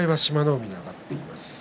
海に上がっています。